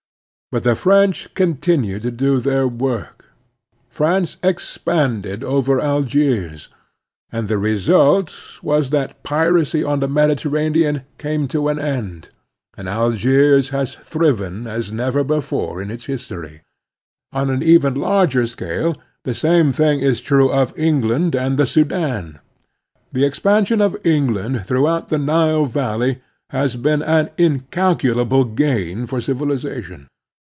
But the French Expansion and Peace 33 continued to do their work; France expanded over Algiers, and the result was that piracy on the Mediterranean came to an end, and Algiers has thriven as never before in its history. On an even larger scale the same thing is true of England and the Sudan. The expansion of Eng land throughout the Nile valley has been an incalculable gain for civilization.